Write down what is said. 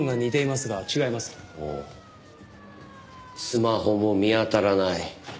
スマホも見当たらない。